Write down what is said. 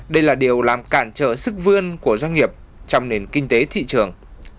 đây là điều làm cản trở sức vươn của doanh nghiệp trong nền kinh tế thị trường